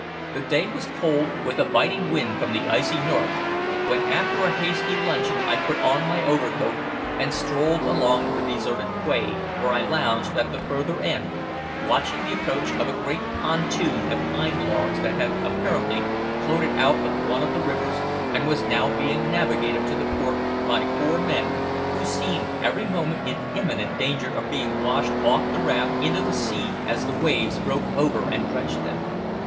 The day was cold, with a biting wind from the icy north, when after a hasty luncheon I put on my overcoat and strolled along the deserted quay where I lounged at the further end, watching the approach of a great pontoon of pine logs that had apparently floated out of one of the rivers and was now being navigated to the port by four men who seemed every moment in imminent danger of being washed off the raft into the sea as the waves broke over and drenched them.